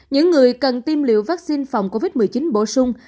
những người cần tiêm liệu vắc xin phòng covid một mươi chín bổ sung